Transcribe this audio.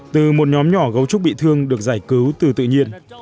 từ một nhóm nhỏ gấu trúc bị thương được giải cứu từ tự nhiên